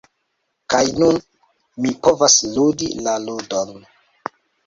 Kaj nun, mi povas ludi la ludon!